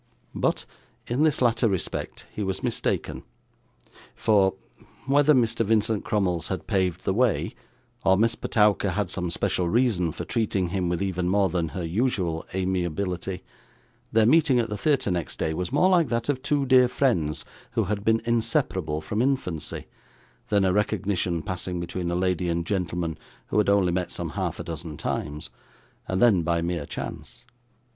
But, in this latter respect he was mistaken; for whether Mr. Vincent Crummles had paved the way, or Miss Petowker had some special reason for treating him with even more than her usual amiability their meeting at the theatre next day was more like that of two dear friends who had been inseparable from infancy, than a recognition passing between a lady and gentleman who had only met some half dozen times, and then by mere chance.